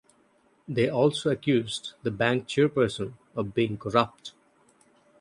They also accused the Bank chairperson of being corrupt.